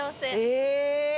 へえ。